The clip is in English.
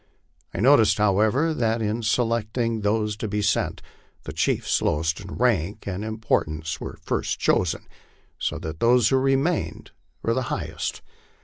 I noticed, however, that in selecting those to be sent, the chiefs lowest in rank and importance were first chosen, so that those who remained were the highest.